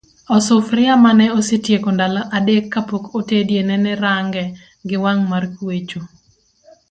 Osufuria manene osetieko ndalo adek kapok otedie nene range gi wang' mar kwecho.